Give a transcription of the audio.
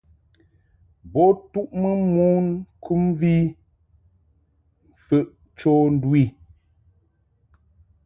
Bo tuʼmɨ mon kɨmvi mfəʼ cho ndu i.